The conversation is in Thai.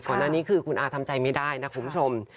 ก่อนหน้านี้คือคุณอาทำใจไม่ได้นะคุณผู้ชม